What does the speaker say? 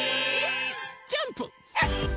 ジャンプ！